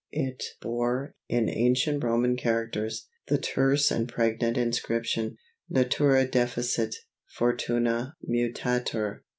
It bore, in ancient Roman characters, the terse and pregnant inscription: Natura deficit, Fortuna mutatur.